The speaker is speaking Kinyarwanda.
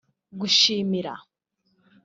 gushimira